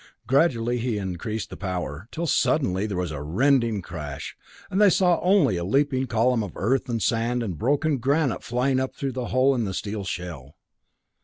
Gradually he increased the power, till suddenly there was a rending crash, and they saw only a leaping column of earth and sand and broken granite flying up through the hole in the steel shell.